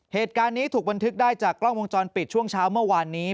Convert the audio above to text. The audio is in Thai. เหตุการณ์นี้ถูกบันทึกได้จากกล้องวงจรปิดช่วงเช้าเมื่อวานนี้